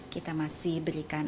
kita masih berikan